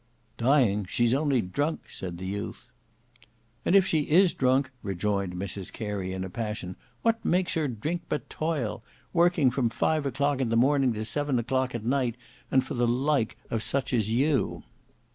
"Dying; she's only drunk," said the youth. "And if she is only drunk," rejoined Mrs Carey in a passion, "what makes her drink but toil; working from five o'clock in the morning to seven o'clock at night, and for the like of such as you."